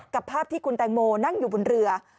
ภาพที่คุณแตงโมนั่งอยู่บนเรือ